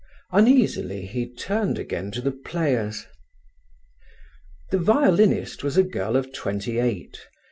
Uneasily, he turned again to the players. The violinist was a girl of twenty eight.